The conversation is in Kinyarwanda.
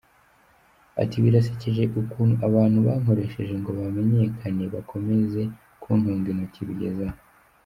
Ati “Birasekeje ukuntu abantu bankoresheje ngo bamenyekane bakomeje kuntunga intoki bigeze aha.